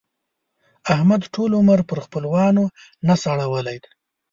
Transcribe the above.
احمد ټول عمر پر خپلوانو نس اړول دی.